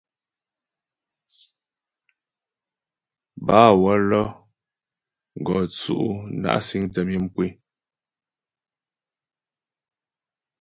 Bâ wə́lə́ gɔ tsʉ' na' siŋtə myə mkwé.